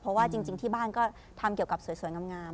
เพราะว่าจริงที่บ้านก็ทำเกี่ยวกับสวยงาม